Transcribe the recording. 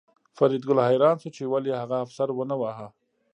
فریدګل حیران شو چې ولې هغه افسر ونه واهه